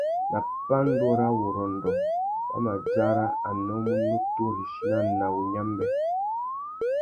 Nà pandúrâwurrôndô, wa mà dzara a nnômú nutu râ ichina na wunyámbê.